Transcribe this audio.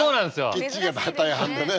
キッチンが大半でね。